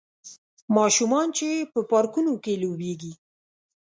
ماشومان چې په پارکونو کې لوبیږي